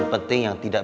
maaf aku orang yang tidur